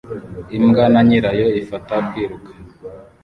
Imbwa na nyirayo ifata kwiruka